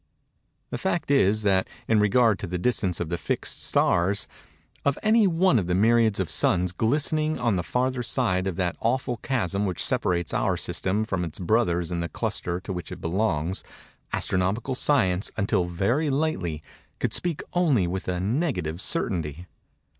The fact is, that, in regard to the distance of the fixed stars—of any one of the myriads of suns glistening on the farther side of that awful chasm which separates our system from its brothers in the cluster to which it belongs—astronomical science, until very lately, could speak only with a negative certainty.